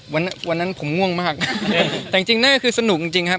วันนั้นผมง่วงมากแต่จริงนั่นคือสนุกจริงครับ